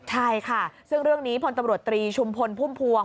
ใช่ค่ะซึ่งเรื่องนี้พลตำรวจตรีชุมพลพุ่มพวง